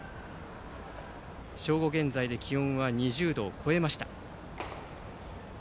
正午現在で気温は２０度を超えました。